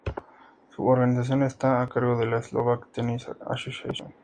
Su organización está a cargo de la Slovak Tennis Association.